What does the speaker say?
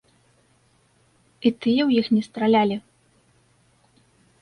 І тыя ў іх не стралялі.